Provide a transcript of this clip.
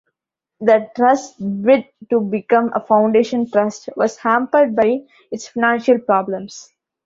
The Trust's bid to become a Foundation Trust was hampered by its financial problems.